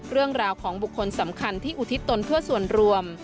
เรื่องราวของบุคคลสำคัญที่อุทิศตนเพื่อส่วนรวม